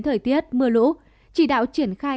thời tiết mưa lũ chỉ đạo triển khai